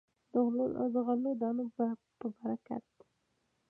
د غلو دانو په برکت.